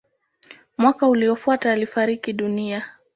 Mwaka uliofuata alifariki dunia.